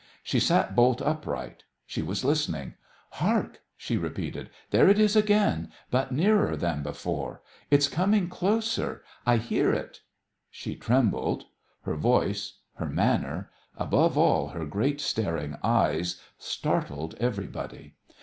She sat bolt upright. She was listening. "Hark!" she repeated. "There it is again, but nearer than before. It's coming closer. I hear it." She trembled. Her voice, her manner, above all her great staring eyes, startled everybody.